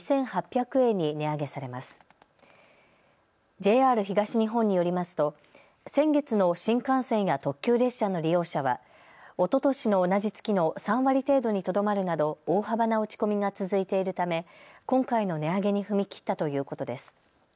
ＪＲ東日本によりますと先月の新幹線や特急列車の利用者はおととしの同じ月の３割程度にとどまるなど大幅な落ち込みが続いているため今回の値上げに踏み切ったということです。